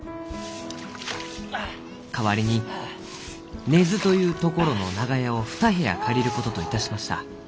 「代わりに根津という所の長屋を２部屋借りることといたしました。